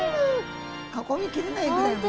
囲み切れないぐらいうわ！